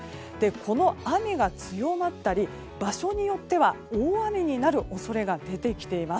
この雨が強まったり場所によっては大雨になる恐れが出てきています。